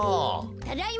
ただいま！